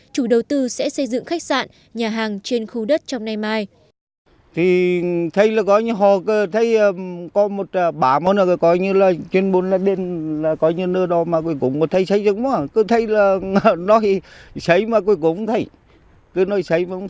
chủ đầu tư sẽ xây dựng khách sạn nhà hàng trên khu đất trong nay mai